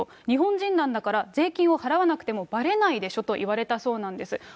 日本人なんだから税金を払わなくてもばれないでしょと言われたそうなんです。